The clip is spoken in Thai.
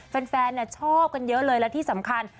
แฟนชอบกันเยอะเลยและที่สำคัญ